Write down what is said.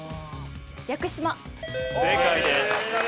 正解です。